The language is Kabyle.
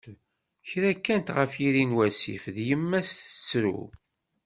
kra kkant, ɣef yiri n wasif d yemma-s, tettru.